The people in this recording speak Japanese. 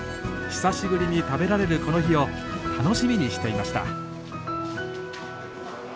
久しぶりに食べられるこの日を楽しみにしていました。